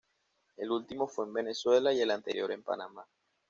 El último fue en Venezuela y el anterior en Panamá.